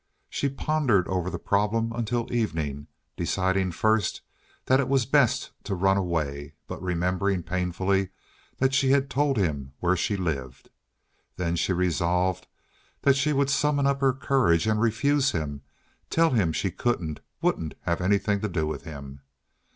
She pondered over the problem until evening, deciding first that it was best to run away, but remembering painfully that she had told him where she lived. Then she resolved that she would summon up her courage and refuse him—tell him she couldn't, wouldn't have anything to do with him.